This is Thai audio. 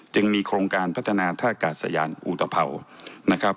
จึงมีโครงการพัฒนาท่ากาศยานอุตภัวนะครับ